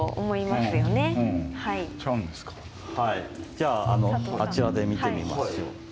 じゃああちらで見てみましょう。